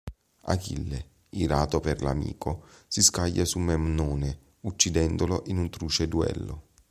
Achille, irato per l'amico, si scaglia su Memnone uccidendolo in un truce duello.